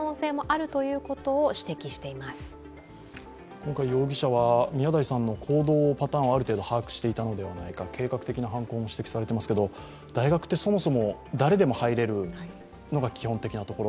今回容疑者は宮台さんの行動パターンをある程度把握していたのではないか計画的な犯行も指摘されていますけれども、大学ってそもそも誰でも入れるところが基本的なところ。